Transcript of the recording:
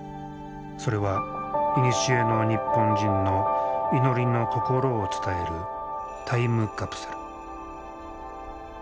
それはいにしえの日本人の祈りの心を伝えるタイムカプセル。